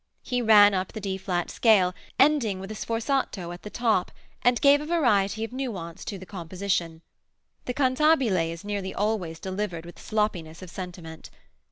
He ran up the D flat scale, ending with a sforzato at the top, and gave a variety of nuance to the composition. The cantabile is nearly always delivered with sloppiness of sentiment.